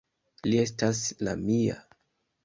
Li estas la mia!